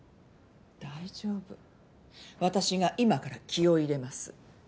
大丈夫私が今から気を入れます。